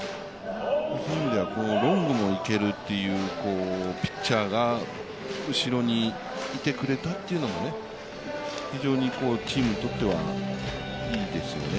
ロングもいけるというピッチャーが後ろにいてくれたというのも非常にチームにとってはいいですよね。